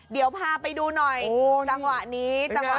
เดี๋ยวพาไปดูหน่อยจังหวะนี้จังหวะ